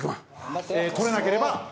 取れなければ敗戦。